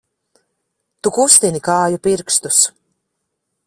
Tu kustini kāju pirkstus!